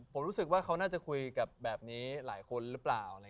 ผมรู้สึกว่าเขาน่าจะคุยกับแบบนี้หลายคนหรือเปล่า